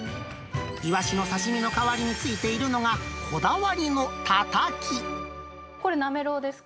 イワシの刺身の代わりについていこれ、なめろうですか？